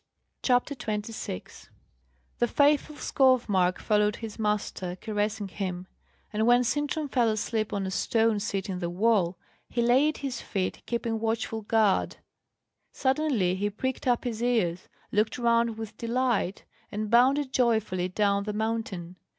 CHAPTER 26 The faithful Skovmark followed his master, caressing him; and when Sintram fell asleep on a stone seat in the wall, he lay at his feet, keeping watchful guard. Suddenly he pricked up his ears, looked round with delight, and bounded joyfully down the mountain.